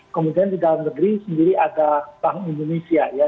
kemudian di dalam negeri sendiri ada bank indonesia ya